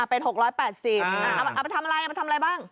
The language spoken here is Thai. อ่าเป็นหกร้อยแปดสิบอ่าเอาไปทำอะไรเอาไปทำอะไรบ้าง